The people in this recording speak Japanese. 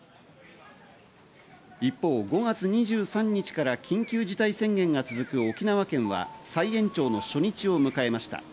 一方、５月２３日から緊急事態宣言が続く沖縄県は再延長の初日を迎えました。